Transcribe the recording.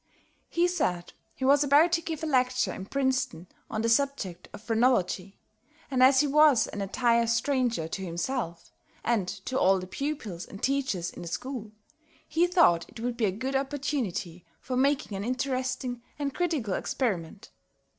He said he was about to give a lecture in Princeton on the subject of Phrenology, and as he was an entire stranger to myself and to all the pupils and teachers in the school, he thought it would be a good opportunity for making an interesting and critical experiment.